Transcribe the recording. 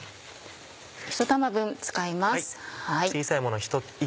１玉分使います。